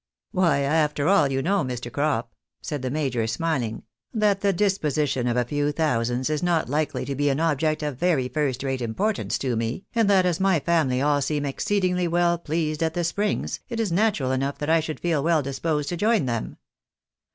" Why, after all, you know, Mr. Crop," said the major, smiling, " that the disposition of a few thousands is not likely to be an object of very first rate importance to me, and that as my family all seem exceedingly well pleased at the springs, it is natural enough that I should feel well disposed to join them.